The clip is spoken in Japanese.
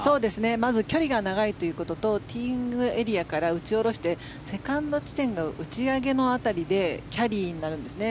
まず距離が長いということとティーイングエリアから打ち下ろしてセカンド地点が打ち上げの辺りでキャリーになるんですね。